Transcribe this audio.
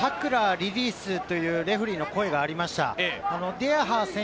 ２度ほどタックラー、リリースというレフェリーの声がありました。